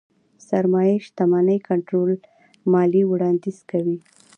سرمايې شتمنۍ کنټرول ماليې وړانديز کوي.